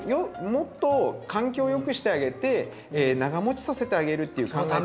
もっと環境をよくしてあげて長もちさせてあげるっていう考え方。